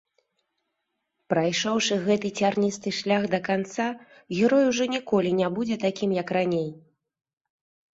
Прайшоўшы гэты цярністы шлях да канца, герой ужо ніколі не будзе такім, як раней.